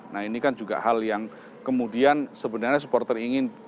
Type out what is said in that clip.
nah ini kan juga hal yang kemudian sebenarnya supporter ingin